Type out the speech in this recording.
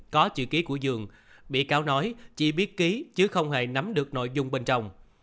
có chữ ký của dương bị cáo nói chỉ biết ký chứ không hề nắm được nội dung bên trong